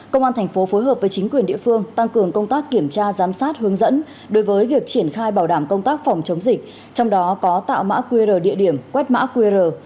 công an thành phố phối hợp với chính quyền địa phương tăng cường công tác kiểm tra giám sát hướng dẫn đối với việc triển khai bảo đảm công tác phòng chống dịch trong đó có tạo mã qr địa điểm quét mã qr